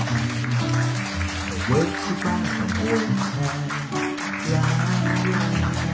ถ้าหมอจำได้ก็อยากพา